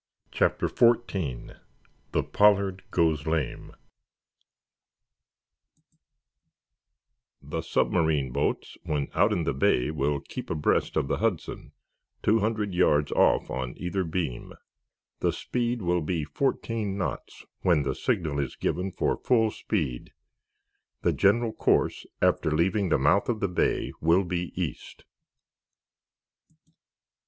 CHAPTER XIV: THE "POLLARD" GOES LAME "The submarine boats when out in the Bay will keep abreast of the 'Hudson,' two hundred yards off on either beam. The speed will be fourteen knots when the signal is given for full speed. The general course, after leaving the mouth of the Bay will be East."